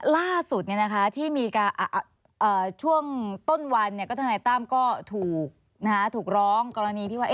ล่าสุดที่มีช่วงต้นวันธนายตั้มก็ถูกร้องกรณีที่ว่า